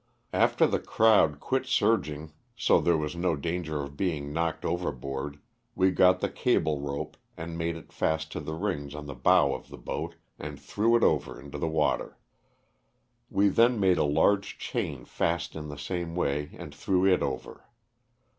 After the crowd quit surging so there was no danger of being knocked overboard, we got the cable LOSS OF THE SULTANA. 357 rope and made it fast in the rings on the bow of the boat and threw it over into the water. We then made a large chain fast in the same way and threw it over.